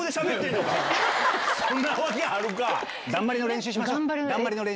だんまりの練習しましょう。